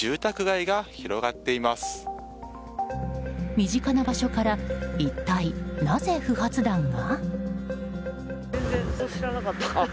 身近な場所から一体なぜ不発弾が？